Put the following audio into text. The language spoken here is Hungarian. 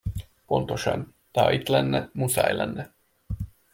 Pontosan, de ha itt lenne, muszáj lenne.